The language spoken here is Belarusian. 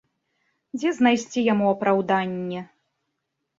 Дзе знайсці яму апраўданне?